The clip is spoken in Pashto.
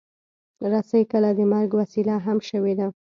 رسۍ کله د مرګ وسیله هم شوې ده.